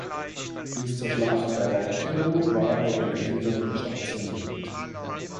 Bis zur Schlacht bei Waterloo war er in Belgien stationiert.